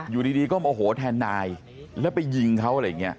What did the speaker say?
อยู่ดีก็โมโหแทนนายแล้วไปยิงเขาอะไรอย่างนี้